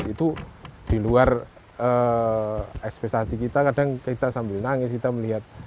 itu di luar ekspektasi kita kadang kita sambil nangis kita melihat